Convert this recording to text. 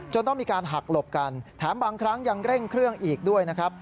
ต้องมีการหักหลบกันแถมบางครั้งยังเร่งเครื่องอีกด้วยนะครับ